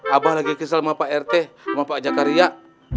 abah lagi kesel sama pak rt sama pak jakariyak